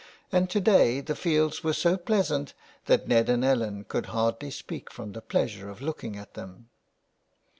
And to day the fields were so pleasant that Ned and Ellen could hardly speak from the pleasure of looking at them.